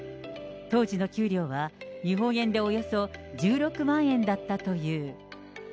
当時の給料は日本円でおよそ１６万円だったという。